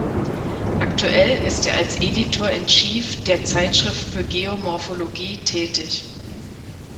Aktuell ist er als Editor-in-Chief der "Zeitschrift für Geomorphologie" tätig.